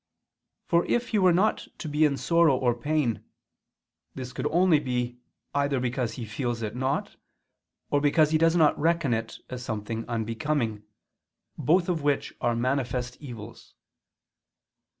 For if he were not to be in sorrow or pain, this could only be either because he feels it not, or because he does not reckon it as something unbecoming, both of which are manifest evils.